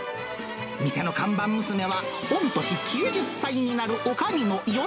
店の看板娘は、御年９０歳になるおかみのよ